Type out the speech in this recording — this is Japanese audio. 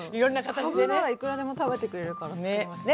かぶならいくらでも食べてくれるから作ります。